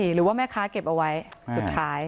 หรือว่าแม่ค้าเก็บเอาไว้สุดท้าย